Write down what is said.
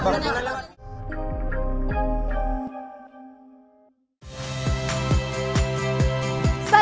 gak ada gak ada